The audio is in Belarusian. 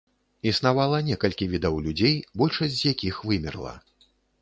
Існавала некалькі відаў людзей, большасць з якіх вымерла.